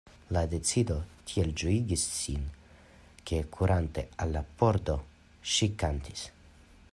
La decido tiel ĝojigis ŝin; ke kurante al la pordo, ŝi kantis: